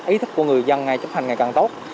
ý thức của người dân chấp hành ngày càng tốt